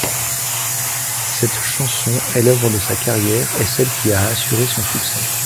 Cette chanson est l'œuvre de sa carrière et celle qui a assuré son succès.